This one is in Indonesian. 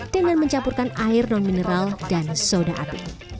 dengan mencampurkan air non mineral dan soda api